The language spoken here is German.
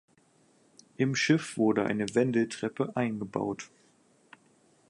Im Schiff wurde eine Wendeltreppe eingebaut.